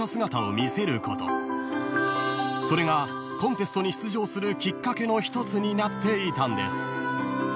［それがコンテストに出場するきっかけの一つになっていたんです］